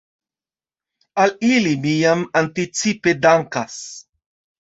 Al ili mi jam anticipe dankas.